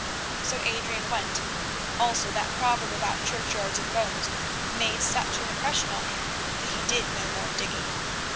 So Adrian went, also that proverb about churchyards and bones made such an impression on him that he did no more digging.